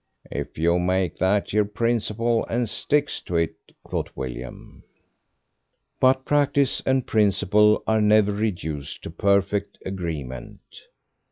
"If you makes that yer principle and sticks to it," thought William. But practice and principle are never reduced to perfect agreement.